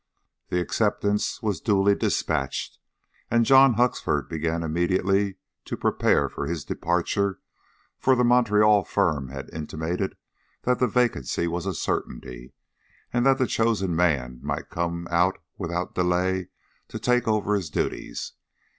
The acceptance was duly despatched, and John Huxford began immediately to prepare for his departure, for the Montreal firm had intimated that the vacancy was a certainty, and that the chosen man might come out without delay to take over his duties.